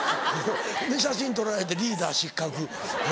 で写真撮られてリーダー失格。